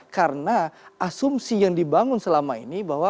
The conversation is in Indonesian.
karena asumsi yang dibangun selama ini bahwa